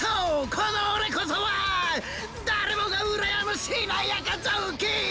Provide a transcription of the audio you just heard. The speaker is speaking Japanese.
このオレこそはだれもがうらやむしなやかぞうき！